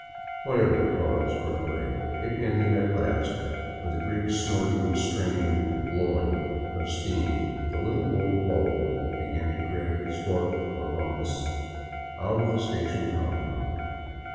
Whatever the cause for delay, it ended at last, and with a great snorting and straining and blowing of steam the little old '' Baldwin " began to drag its four wagones out of the station compound.